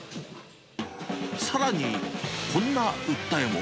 さらに、こんな訴えも。